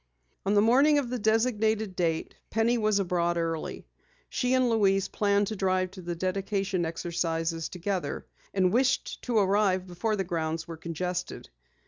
On the morning of the designated date, Penny was abroad early. She and Louise planned to drive to the dedication exercises together, and wished to arrive before the grounds were congested.